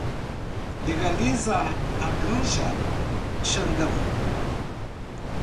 Legaliza a ganja, Xandão